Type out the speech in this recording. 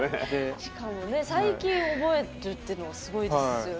しかも最近覚えるっていうのがすごいですよね。